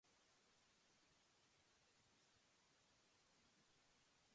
The order matters because each move can be considered as an individual step.